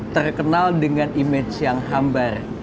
terkenal dengan image yang hambar